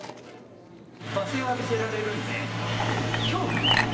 罵声を浴びせられるので、恐怖ですよね。